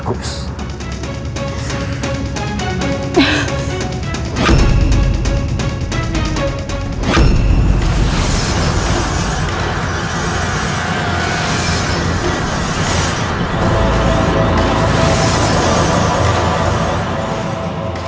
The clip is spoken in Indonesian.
aku akan menerima tawaran